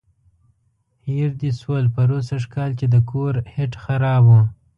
هېر دې شول پروسږ کال چې د کور هیټ خراب و.